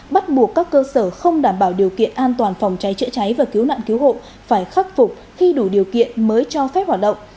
bắt buộc các cơ sở không đảm bảo điều kiện an toàn phòng cháy chữa cháy và cứu nạn cứu hộ phải khắc phục khi đủ điều kiện mới cho phép hoạt động